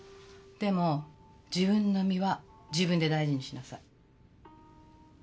でも自分の身は自分で大事にしなさい。